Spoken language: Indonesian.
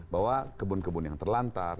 bahwa kebun kebun yang terlantar